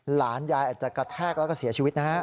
หลานยายอาจจะกระแทกแล้วก็เสียชีวิตนะฮะ